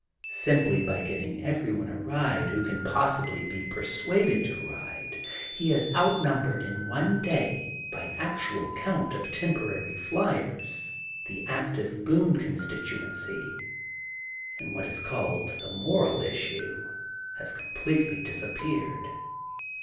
Simply by giving everyone a ride who can pos sibly be persuaded to ride, he has out numbered in one day, by actual count of tem porary flyers, the active Boone constituency, and what is called: The Moral Issue'' has completely disappeared.